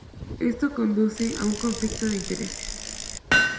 Esto conduce a un conflicto de intereses.